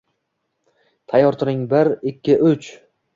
Tayyor turing: Bi-i-ir... Ik-k-ki... U-u-u-uch!